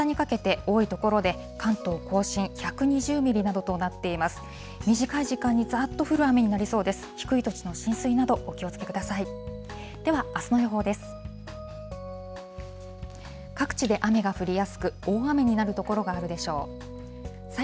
低い土地の浸水など、お気をつけください。